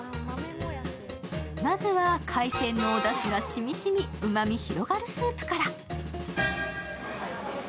まずは、海鮮のおだしが染み染み、うまみ広がるスープから。